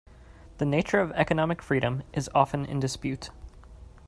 The nature of economic freedom is often in dispute.